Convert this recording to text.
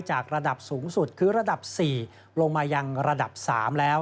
จากระดับสูงสุดคือระดับ๔ลงมายังระดับ๓แล้ว